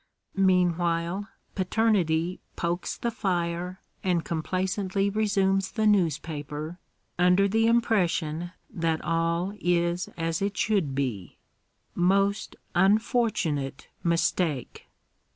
Meanwhile paternity pokes the fire and complacently resumes the newspaper f nder the impression that all is as it should be : most unfortunate mistake